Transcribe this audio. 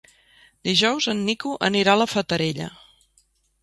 Dijous en Nico anirà a la Fatarella.